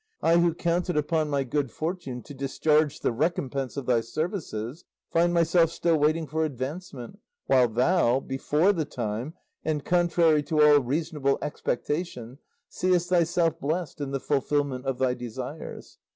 I who counted upon my good fortune to discharge the recompense of thy services, find myself still waiting for advancement, while thou, before the time, and contrary to all reasonable expectation, seest thyself blessed in the fulfillment of thy desires.